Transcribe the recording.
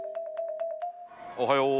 おはよう。